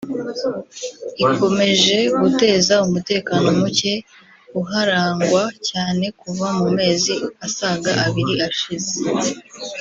ikomeje guteza umutekano muke uharangwa cyane kuva mu mezi asaga abiri ashize